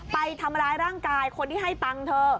ไปทำร้ายร่างกายคนที่ให้ตังค์เธอ